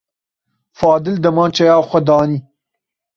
Fadil demançeya xwe danî.